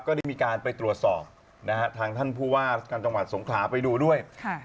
ได้มีการไปตรวจสอบนะฮะทางท่านผู้ว่าราชการจังหวัดสงขลาไปดูด้วย